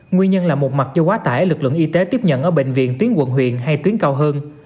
nguyên nhân là một mặt cho quá tải lực lượng y tế tiếp nhận ở bệnh viện tuyến quận huyện hay tuyến cao hơn